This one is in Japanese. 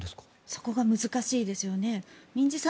そこが難しいですよね。